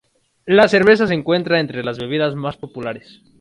La cerveza se encuentra entre las bebidas más populares.